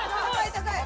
高い！